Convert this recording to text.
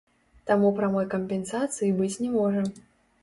Таму прамой кампенсацыі быць не можа.